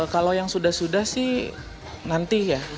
kalau yang sudah sudah sih nanti ya